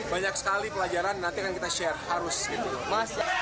banyak sekali pelajaran nanti akan kita share harus gitu loh